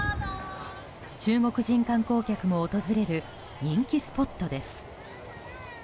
中国人観光客も訪れる人気スポットです。